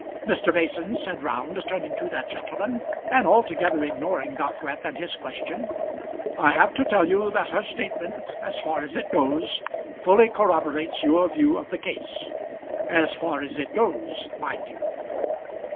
"Mr. Mason," said Round, turning to that gentleman, and altogether ignoring Dockwrath and his question; "I have to tell you that her statement, as far as it goes, fully corroborates your view of the case. As far as it goes, mind you."